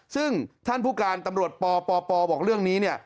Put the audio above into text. ซึ่งท่านผู้การตำรวจปปบอกเรื่องนี้เนี่ย